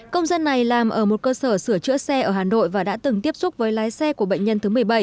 công dân này làm ở một cơ sở sửa chữa xe ở hà nội và đã từng tiếp xúc với lái xe của bệnh nhân thứ một mươi bảy